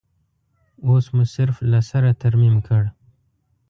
اوس مو صرف له سره ترمیم کړ.